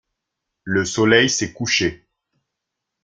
Le soleil s’est couché.